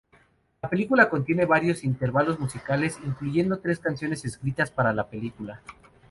La película contiene varios intervalos musicales, incluyendo tres canciones escritas para la película.